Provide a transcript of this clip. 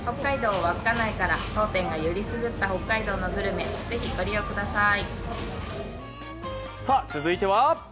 当店がよりすぐった北海道のグルメ、ぜひご利用ください。